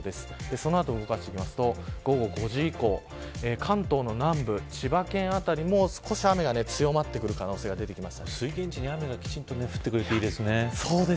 その後、動かしていくと午後５時以降関東の南部、千葉県辺りも少し雨が強まってくる可能性が水源地に雨がきちんと降ってくれていいですね。